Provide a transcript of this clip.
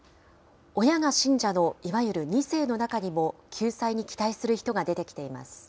親が信者のいわゆる２世の中にも、救済に期待する人が出てきています。